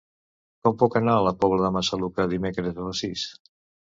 Com puc anar a la Pobla de Massaluca dimecres a les sis?